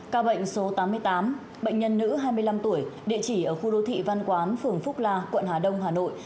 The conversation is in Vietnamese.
ca bệnh số tám mươi tám bệnh nhân nữ hai mươi năm tuổi địa chỉ ở khu đô thị văn quán phường phúc la quận hà đông hà nội